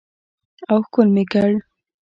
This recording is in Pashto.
او ښکل مې کړ.